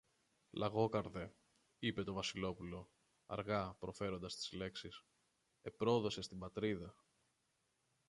Λαγόκαρδε, είπε το Βασιλόπουλο, αργά προφέροντας τις λέξεις, επρόδωσες την Πατρίδα.